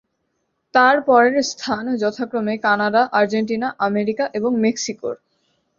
তার পরের স্থান যথাক্রমে কানাডা, আর্জেন্টিনা, আমেরিকা, এবং মেক্সিকোর।